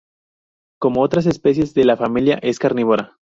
Como otras especies de la familia, es carnívora.